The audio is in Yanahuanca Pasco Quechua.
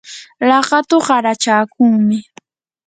laqatu qarachakunmi.